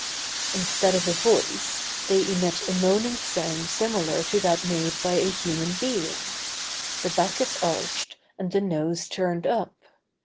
Instead of a voice, they emit a moaning sound similar to that made by a human being; the back is arched, and the nose turned up.